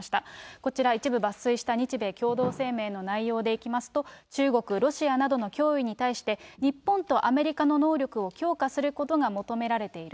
こちら、一部抜粋した日米共同声明の内容でいきますと中国、ロシアなどの脅威に対して、日本とアメリカの能力を強化することが求められている。